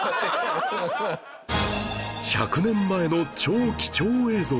１００年前の超貴重映像